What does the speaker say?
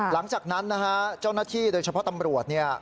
หลังจากนั้นจ้อน้าที่โดยเฉพาะตำรวจ